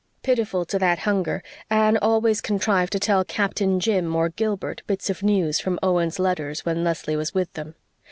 Pitiful to that hunger, Anne always contrived to tell Captain Jim or Gilbert bits of news from Owen's letters when Leslie was with them.